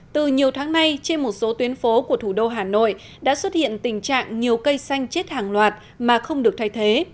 từ nhiều tháng nay trên một số tuyến phố của thủ đô hà nội đã xuất hiện tình trạng nhiều cây xanh chết hàng loạt mà không được thay thế